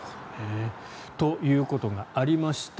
ということがありました。